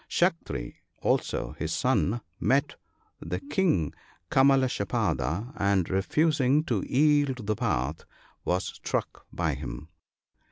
Saktri also, his son, met the King Kalmashapada, and, refusing to yield the path, was struck by him.